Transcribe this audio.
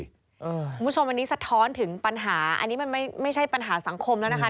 คุณผู้ชมอันนี้สะท้อนถึงปัญหาอันนี้มันไม่ใช่ปัญหาสังคมแล้วนะคะ